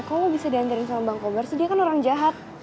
kok lo bisa dianterin sama bang kober dia kan orang jahat